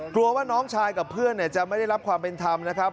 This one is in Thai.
กลัวว่าน้องชายกับเพื่อนจะไม่ได้รับความเป็นธรรมนะครับ